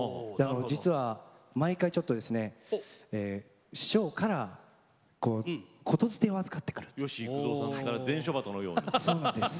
実は毎回ちょっと師匠から言づてを預かってくるんです。